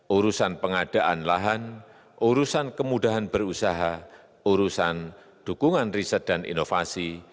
urusan pengadaan lahan urusan kemudahan berusaha urusan dukungan riset dan inovasi